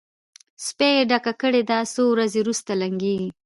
سپۍ یې ډکه کړې ده؛ څو ورځې روسته لنګېږي.